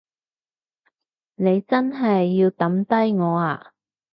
你真係要抌低我呀？